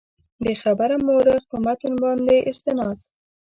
بېخبره مورخ په متن باندې استناد.